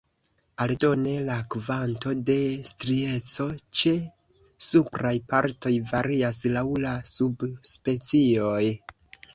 Aldone, la kvanto de strieco ĉe supraj partoj varias laŭ la subspecioj.